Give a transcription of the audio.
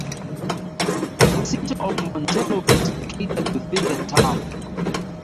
The City of Montello is located within the town.